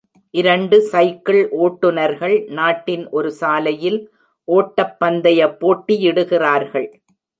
இரண்டு சைக்கிள் ஓட்டுநர்கள் நாட்டின் ஒரு சாலையில் ஓட்டப்பந்தய போட்டியிடுகிறார்கள்.